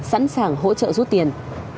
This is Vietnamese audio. sẵn sàng hỗ trợ rút tiền